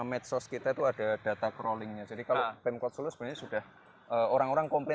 medsos kita tuh ada data crawling nya jadi kalau tempat solo sebenarnya sudah orang orang komplain